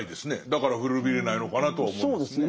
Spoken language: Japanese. だから古びれないのかなとは思いますね。